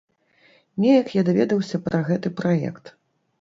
Неяк я даведаўся пра гэты праект.